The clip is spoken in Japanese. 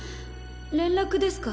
連絡ですか